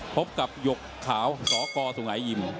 พบกับหยกขาวสกสุงหายิม